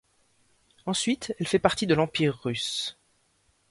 Ensuite elle fait partie de l'Empire russe.